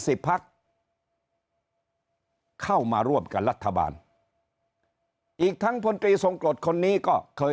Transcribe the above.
สิบพักเข้ามาร่วมกับรัฐบาลอีกทั้งพลตรีทรงกรดคนนี้ก็เคย